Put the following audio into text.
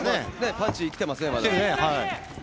パンチきてますね、まだ。